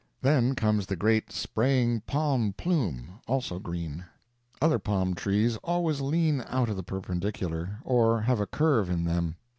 Then comes the great, spraying palm plume, also green. Other palm trees always lean out of the perpendicular, or have a curve in them.